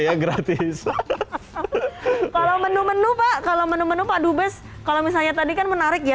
ya gratis kalau menu menu pak kalau menu menu pak dubes kalau misalnya tadi kan menarik ya